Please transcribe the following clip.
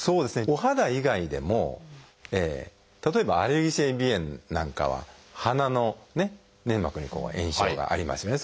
お肌以外でも例えばアレルギー性鼻炎なんかは鼻の粘膜に炎症がありますよね。